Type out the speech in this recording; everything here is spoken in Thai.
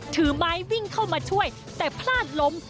ถือไม้วิ่งเข้ามาช่วยแต่พลาดล้ม